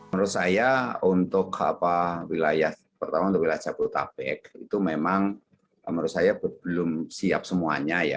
menurut saya untuk wilayah pertama untuk wilayah jabodetabek itu memang menurut saya belum siap semuanya ya